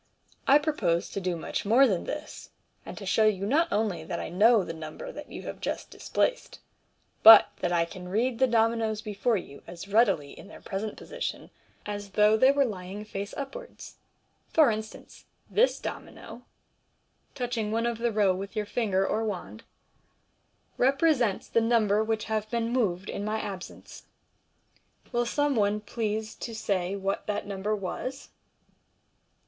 I propose to do much more than this, and to show you not only that I know the number that you have just displaced, but that I can read the dominoes before vou as readily in their present position as though J66 MODERN MAGIC they were lying face upwards. For instance, this domino " (touching one of the row with your finger or wand) " represents the number which have been moved in my absence. Will some one please to say what that number was?"